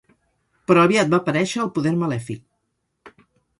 Però aviat va aparèixer el poder malèfic.